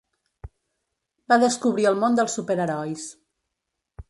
Va descobrir el món dels superherois.